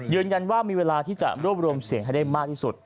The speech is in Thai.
ยืนยันว่ามีเวลาที่จะรวบรวมเสียงให้ได้มากที่สุด